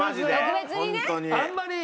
あんまり。